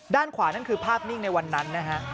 ด้านขวานั่นคือภาพนิ่งในวันนั้นนะฮะ